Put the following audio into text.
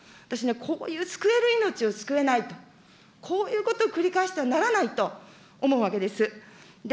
私ね、こういう救える命を救えないと、こういうことを繰り返してはならないと思うわけです。